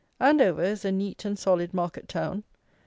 Andover is a neat and solid market town.